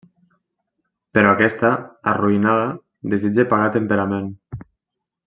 Però aquesta, arruïnada, desitja pagar a temperament.